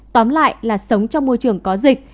tóm lại là sống trong môi trường có dịch